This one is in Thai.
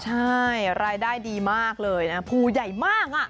ใช่รายได้ดีมากเลยนะภูใหญ่มาก